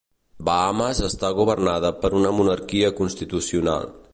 Bahames, està governada per una monarquia constitucional.